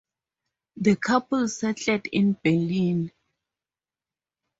The couple settled in Berlin.